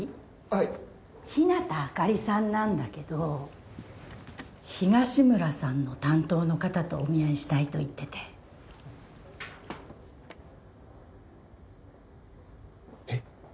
はい日向明里さんなんだけど東村さんの担当の方とお見合いしたいと言っててこちらえっ？